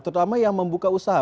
terutama yang membuka usaha